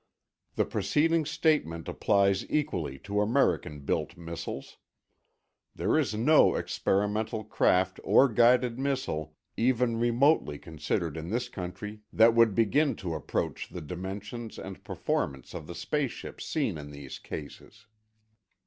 The preceding statement applies equally to American built missiles. There is no experimental craft or guided missile even remotely considered in this country that would begin to approach the dimensions and performance of the space ships seen in these cases.